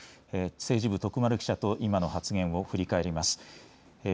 政治部とくまる記者と今の発言を振り返ります。